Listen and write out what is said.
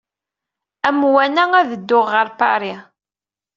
Amwan-a, ad dduɣ ɣer Paris.